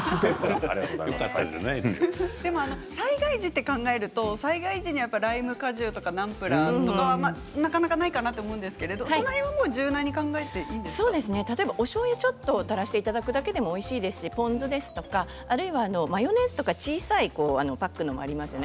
災害時を考えるとライム果汁とか、ナムプラーとかなかなかないかなと思うんですけど、その辺はおしょうゆをちょっと垂らしていただくだけでもいいですしポン酢やマヨネーズとか小さいパックのものもありますね。